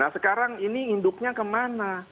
nah sekarang ini induknya kemana